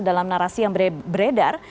dalam narasi yang beredar